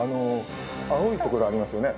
青いところありますよね。